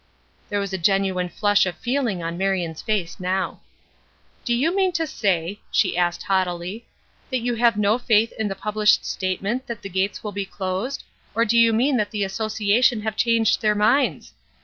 There was a genuine flush of feeling on Marion's face now. "Do you mean to say," she asked, haughtily, "that you have no faith in the published statement that the gates will be closed, or do you mean that the association have changed their minds?